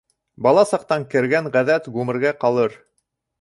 Бала саҡтан кергән ғәҙәт ғүмергә ҡалыр.